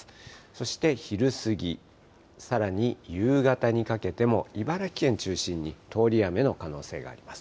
そして昼過ぎ、さらに夕方にかけても、茨城県中心に通り雨の可能性があります。